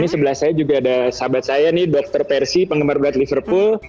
sebelah saya juga ada sahabat saya nih doctor percy penggemar penggemar liverpool